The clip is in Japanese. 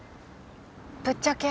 ぶっちゃけ。